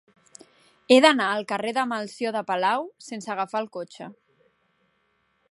He d'anar al carrer de Melcior de Palau sense agafar el cotxe.